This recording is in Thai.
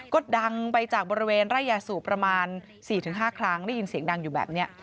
ก็ดังไปจากบริเวณไร่ยาสูบประมาณ๔๕ครั้งได้ยินเสียงดังอยู่แบบนี้